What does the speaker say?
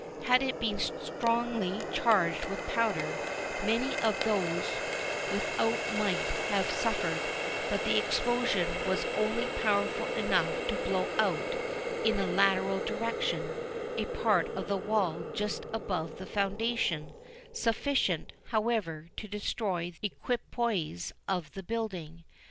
Had it been strongly charged with powder, many of those without might have suffered; but the explosion was only powerful enough to blow out, in a lateral direction, a part of the wall just above the foundation, sufficient, however, to destroy the equipoise of the building.